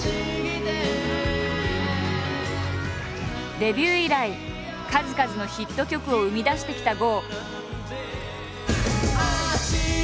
デビュー以来数々のヒット曲を生み出してきた郷。